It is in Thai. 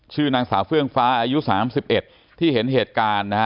ชื่อนางสาวเฟื่องฟ้าอายุ๓๑ที่เห็นเหตุการณ์นะฮะ